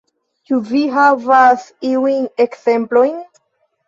Ĉu vi havas iujn ekzemplojn?